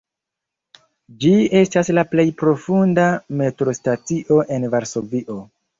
Ĝi estas la plej profunda metrostacio en Varsovio.